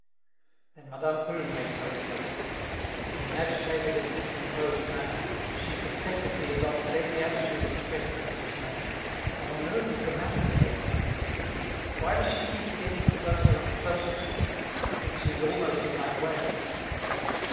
Then Madame Prune makes her appearance; in an agitated and discomposed manner she successively adopts every attitude expressive of dismay. What on earth is the matter with the old lady, and why does she keep getting closer and closer to me, till she is almost in my way?